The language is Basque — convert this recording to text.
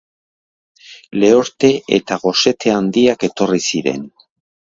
Lehorte eta gosete handiak etorri ziren.